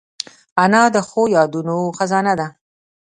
انا د ښو یادونو خزانه ده